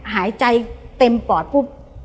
หายใจเต็มปอดปุ๊บ